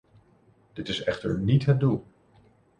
Dit is echter niet het doel!